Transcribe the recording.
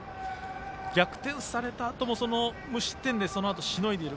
逆転されたあとも無失点でそのあとしのいでいる。